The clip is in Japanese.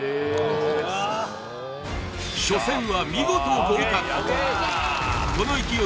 初戦は見事合格